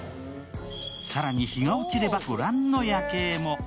更に、日が落ちれば、御覧の夜景も。